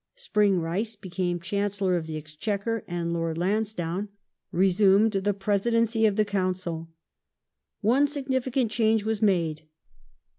Spring Rice became Chancellor of the Exchequer and Lord Lansdowne resumed the Presidency of the Council. One significant change was made.